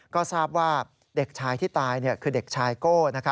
ก็ทราบว่าเด็กชายที่ตายคือเด็กชายโก้